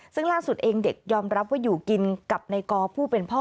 ซึ่งล่าสุดเองเด็กยอมรับว่าอยู่กินกับในกอผู้เป็นพ่อ